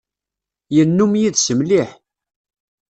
Yennum yid-s mliḥ.